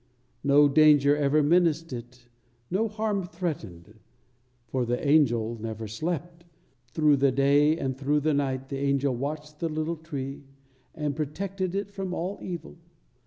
No danger ever menaced it, no harm threatened; for the angel never slept, through the day and through the night the angel watched the little tree and protected it from all evil.